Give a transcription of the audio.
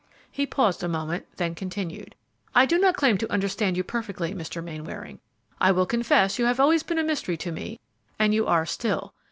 He paused a moment, then continued: "I do not claim to understand you perfectly, Mr. Mainwaring. I will confess you have always been a mystery to me, and you are still.